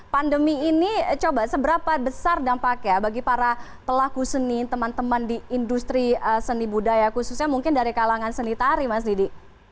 pandemi ini coba seberapa besar dampaknya bagi para pelaku seni teman teman di industri seni budaya khususnya mungkin dari kalangan seni tari mas didi